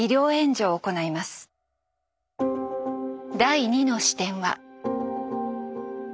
第２の視点は。